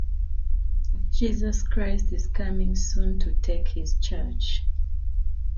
He was also brought to be persecuted.